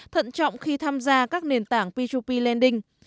thận trọng khi tham gia các nền tảng p hai p lending